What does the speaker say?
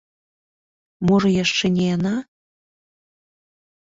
Можа, яшчэ не яна?